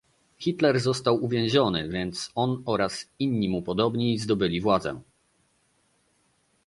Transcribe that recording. Hitler został uwięziony, więc on oraz inni mu podobni zdobyli władzę